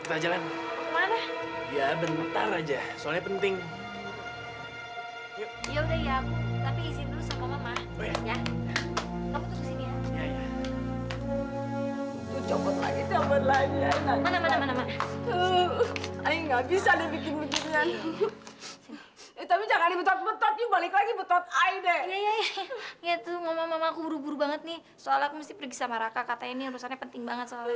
aku harus pergi sama raka katanya ini urusannya penting banget